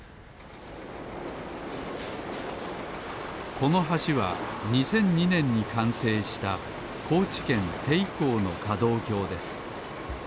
この橋は２００２ねんにかんせいしたこうちけんていこうのかどうきょうです